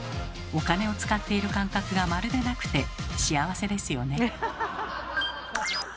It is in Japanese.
お金を使っている感覚がまるでなくて幸せですよね。